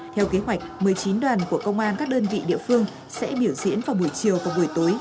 theo kế hoạch một mươi chín đoàn của công an các đơn vị địa phương sẽ biểu diễn vào buổi chiều và buổi tối